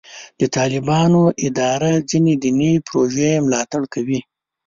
د طالبانو اداره ځینې دیني پروژې ملاتړ کوي.